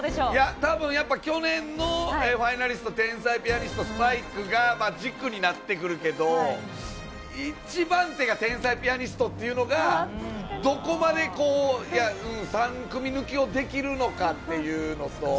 たぶん、やっぱり去年のファイナリスト、天才ピアニスト、スパイクが軸になってくるけど、一番手が天才ピアニストっていうのが、どこまで３組抜きをできるのかっていうのと。